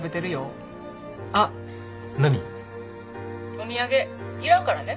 お土産いらんからね。